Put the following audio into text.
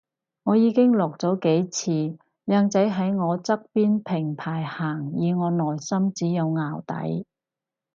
我已經落咗幾次，靚仔喺我側邊平排行而我內心只有淆底